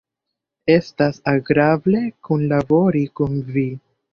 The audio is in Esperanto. Estas agrable kunlabori kun vi.